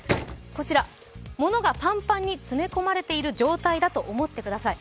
こちら物がパンパンに詰め込まれている状態だと思ってください。